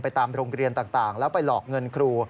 ตามโรงเรียนต่างแล้วไปหลอกเงินครู